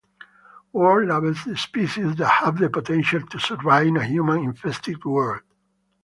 Ward labels the species that have the potential to survive in a human-infested world.